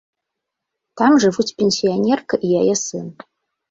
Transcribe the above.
Там жывуць пенсіянерка і яе сын.